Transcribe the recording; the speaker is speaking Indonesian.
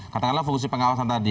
katakanlah fungsi pengawasan tadi